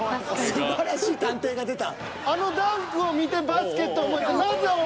すばらしい探偵が出た。